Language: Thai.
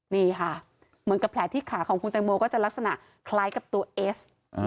นี่ค่ะเหมือนกับแผลที่ขาของคุณแตงโมก็จะลักษณะคล้ายกับตัวเอส